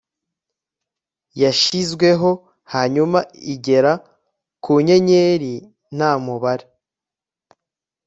Yashizweho hanyuma igera ku nyenyeri nta mubare